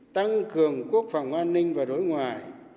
tăng cường quốc phòng an ninh và đối ngoại